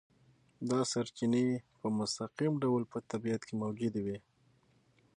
دا سرچینې په مستقیم ډول په طبیعت کې موجودې وي.